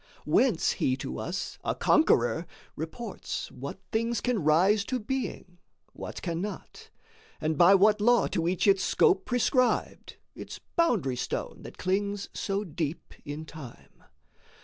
Whence he to us, a conqueror, reports What things can rise to being, what cannot, And by what law to each its scope prescribed, Its boundary stone that clings so deep in Time.